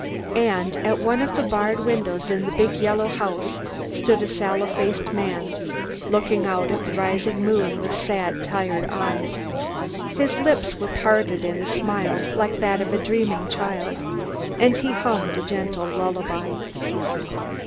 And at one of the barred windows in the big yellow house stood a sallow faced man, looking out at the rising moon with sad, tired eyes. His lips were parted in a smile like that of a dreaming child, and he hummed a gentle lullaby.